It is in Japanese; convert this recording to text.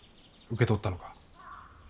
受け取ったのか？